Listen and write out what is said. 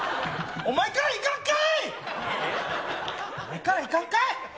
お前からいかんかい！